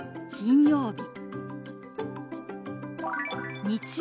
金曜日。